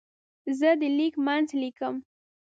زه د لیک منځ لیکم.